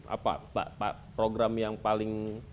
apa pak program yang paling